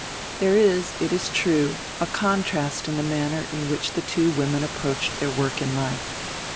There is, it is true, a contrast in the manner in which the two women approached their work in life.